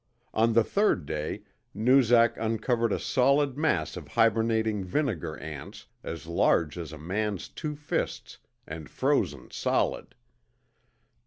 On the third day Noozak uncovered a solid mass of hibernating vinegar ants as large as a man's two fists, and frozen solid.